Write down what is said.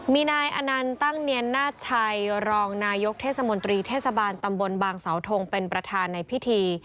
มีนายอนันต์ตั้งเนียนนาชัยรองนายกเทศมนตรีเทศบาลตำบลบางเสาทงเป็นประธานในพิธี